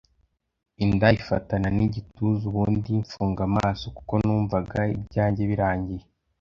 inda ifatana n’igituza ubundi mfunga amaso kuko numvaga ibyanjye birangiye